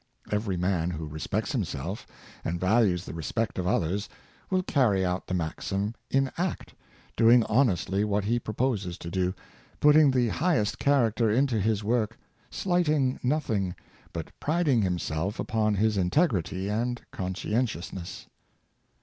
Every man who respects himself, and values the respect of others, will carry out the maxim in act — doing honestly what he proposes to do — putting the highest character into his work, slighting nothing, but priding himself upon his integrity and conscientiousness.